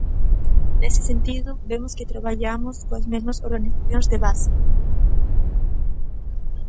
Nese sentido, vemos que traballamos coas mesmas organizacións de base.